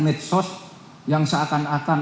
metosos yang seakan akan